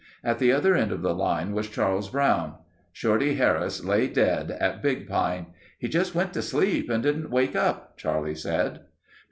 At the other end of the line was Charles Brown. Shorty Harris lay dead at Big Pine. "He just went to sleep and didn't wake up," Charlie said.